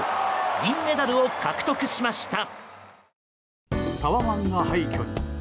銀メダルを獲得しました。